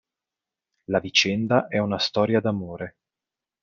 La vicenda è una storia d'amore.